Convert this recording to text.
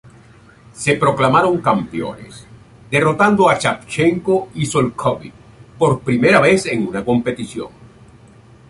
Se proclamaron campeones, derrotando a Savchenko y Szolkowy por primera vez en una competición.